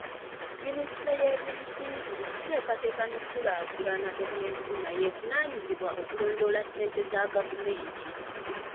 Minisitule y'ebyensimbi, okuteekateeka n'okukulaakulana mu byenfuna y'evunaanyizibwa ku kulondoola ssente za gavumenti.